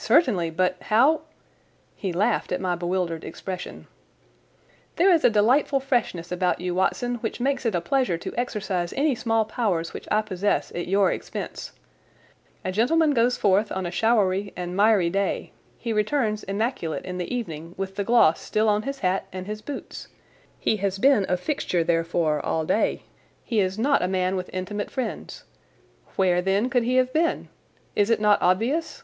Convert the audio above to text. "Certainly, but how?" He laughed at my bewildered expression. "There is a delightful freshness about you, Watson, which makes it a pleasure to exercise any small powers which I possess at your expense. A gentleman goes forth on a showery and miry day. He returns immaculate in the evening with the gloss still on his hat and his boots. He has been a fixture therefore all day. He is not a man with intimate friends. Where, then, could he have been? Is it not obvious?"